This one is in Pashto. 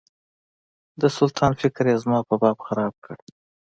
د سلطان فکر یې زما په باب خراب کړ.